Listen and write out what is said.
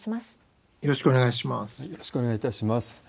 よろしくお願いします。